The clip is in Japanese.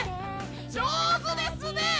上手ですね！